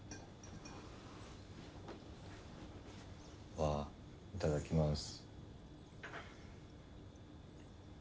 ああいただきます。